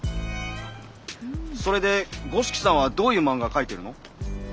それで五色さんはどういう漫画描いてるの？